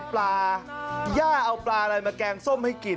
ปลาย่าเอาปลาอะไรมาแกงส้มให้กิน